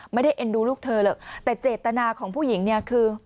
ไม่ได้เอ็นดูลูกเธอเลยแต่เจตนาของผู้หญิงเนี่ยคือ